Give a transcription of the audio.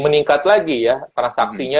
meningkat lagi ya transaksinya